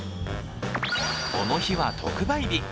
この日は特売日。